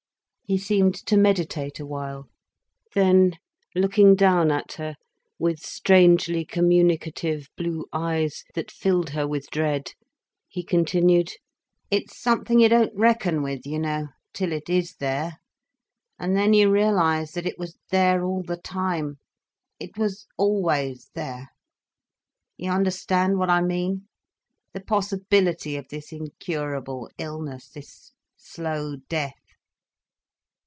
He seemed to meditate a while. Then looking down at her, with strangely communicative blue eyes, that filled her with dread, he continued: "It's something you don't reckon with, you know, till it is there. And then you realise that it was there all the time—it was always there—you understand what I mean?—the possibility of this incurable illness, this slow death."